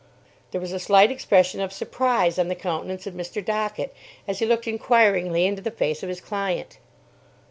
There was a slight expression of surprise on the countenance of Mr. Dockett, as he looked inquiringly into the face of his client.